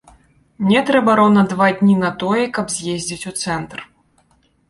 Мне трэба роўна два дні на тое, каб з'ездзіць у цэнтр.